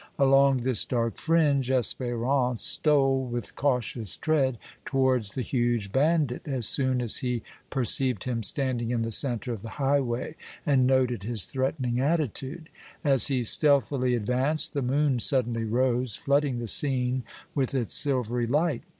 Along this dark fringe Espérance stole with cautious tread towards the huge bandit, as soon as he perceived him standing in the centre of the highway and noted his threatening attitude. As he stealthily advanced, the moon suddenly rose, flooding the scene with its silvery light.